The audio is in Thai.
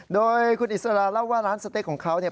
โดยคุณอิสระเล่าว่าร้านสเต๊กของเขาเนี่ย